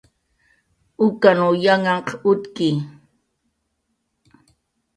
ukanw yanhanhq utki